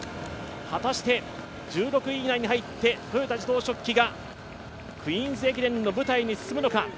果たして１６位以内に入って豊田自動織機がクイーンズ駅伝の舞台に進むのか。